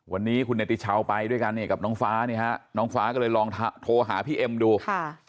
วันนี้คุณเนติชาวไปด้วยกันเนี่ยกับน้องฟ้านี่ฮะน้องฟ้าก็เลยลองโทรหาพี่เอ็มดูค่ะ